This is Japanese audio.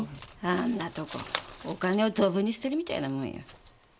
あんなとこお金をドブに捨てるみたいなもんよ。